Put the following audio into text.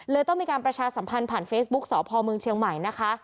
ต้องมีการประชาสัมพันธ์ผ่านเฟซบุ๊คสพเมืองเชียงใหม่นะคะ